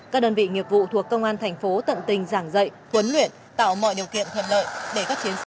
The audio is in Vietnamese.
các đơn vị nghiệp vụ thuộc công an thành phố tận tình giảng dạy huấn luyện tạo mọi điều kiện thuận lợi để các chiến sĩ